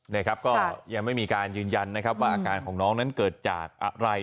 นะครับก็ยังไม่มีการยืนยันนะครับว่าอาการของน้องนั้นเกิดจากอะไร